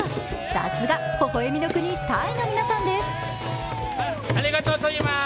さすがほほ笑みの国タイの皆さんです。